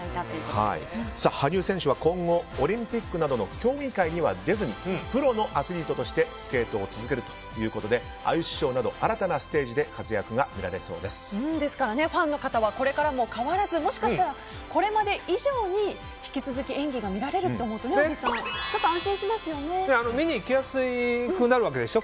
羽生選手は今後オリンピックなどの競技には出ずにプロのアスリートとしてスケートを続けるということでアイスショーなど新たなステージでファンの方も変わらずもしかしたらこれまで以上に演技が見られると思うと見に行きやすくなるわけでしょ。